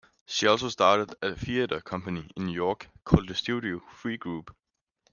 She also started a theater company in New York called The Studio Three Group.